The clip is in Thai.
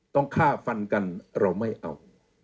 ต้องฆ่าฟันกันเราไม่เอา